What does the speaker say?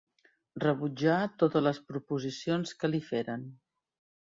Rebutjà totes les proposicions que li feren.